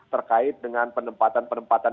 terkait dengan penempatan penempatan